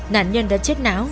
nạn nhân đã chết não